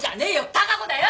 貴子だよ！